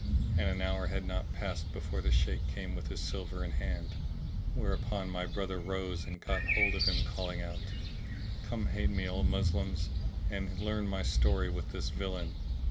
And an hour had not passed before the Shaykh came with his silver in hand; where upon my brother rose and caught hold of him calling out, "Come aid me, O Moslems, and learn my story with this villain!"